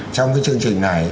trong cái chương trình này